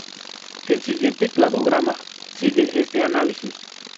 El siguiente cladograma sigue este análisis.